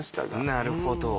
なるほど。